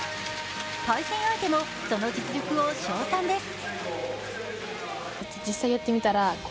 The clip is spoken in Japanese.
対戦相手もその実力を称賛です。